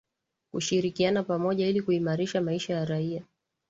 kushirikiana pamoja ili kuimarisha maisha ya raia